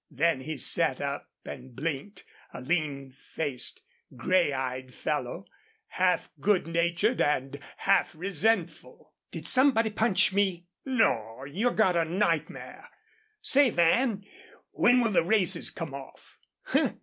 Then he sat up and blinked, a lean faced, gray eyed fellow, half good natured and half resentful. "Did somebody punch me?" "Naw, you got nightmare! Say, Van, when will the races come off?"